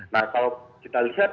nah kalau kita lihat